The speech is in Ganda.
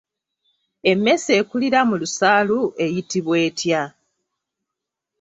Emmese ekulira mu lusaalu eyitibwa etya?